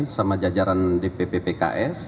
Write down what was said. sama jajaran dpp pks